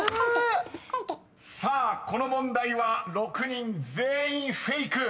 ［さあこの問題は６人全員フェイク］